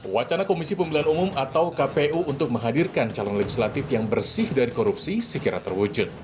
wacana komisi pemilihan umum atau kpu untuk menghadirkan calon legislatif yang bersih dari korupsi sekiranya terwujud